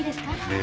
え？